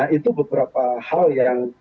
itu beberapa hal yang